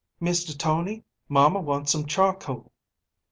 "Mr. Tony, mama wants some charcoal."